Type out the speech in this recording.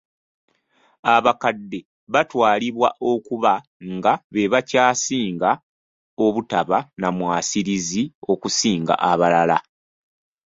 Abakadde batwalibwa okuba nga be basinga obutaba na mwasirizi okusinga abalala.